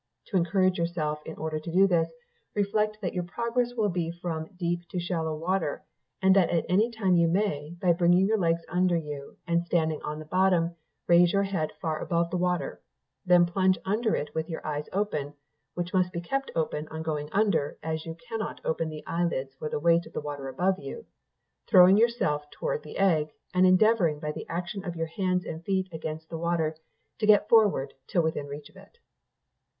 To encourage yourself in order to do this, reflect that your progress will be from deep to shallow water, and that at any time you may, by bringing your legs under you, and standing on the bottom, raise your head far above the water; then plunge under it with your eyes open, which must be kept open on going under, as you cannot open the eyelids for the weight of water above you; throwing yourself toward the egg, and endeavouring by the action of your hands and feet against the water to get forward, till within reach of it.